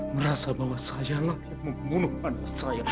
merasa bahwa sayalah yang membunuh anak saya